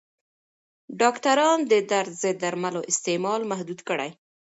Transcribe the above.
ډاکټران د درد ضد درملو استعمال محدود کړی.